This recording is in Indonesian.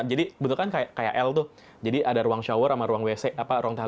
jadi betul kan kayak l tuh jadi ada ruang shower sama ruang toiletnya gitu at least kepisahlah gitu gak nyampul